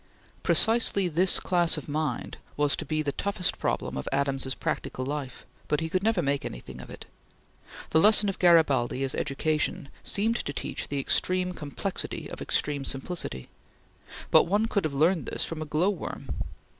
Precisely this class of mind was to be the toughest problem of Adams's practical life, but he could never make anything of it. The lesson of Garibaldi, as education, seemed to teach the extreme complexity of extreme simplicity; but one could have learned this from a glow worm.